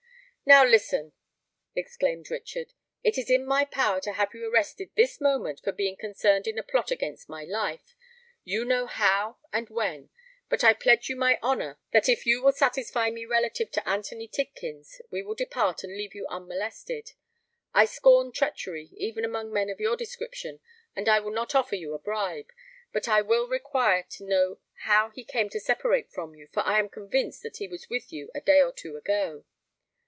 "Now, listen," exclaimed Richard. "It is in my power to have you arrested this moment for being concerned in a plot against my life—you know how and when; but I pledge you my honour that if you will satisfy me relative to Anthony Tidkins, we will depart, and leave you unmolested. I scorn treachery, even among men of your description; and I will not offer you a bribe. But I require to know how he came to separate from you—for I am convinced that he was with you a day or two ago."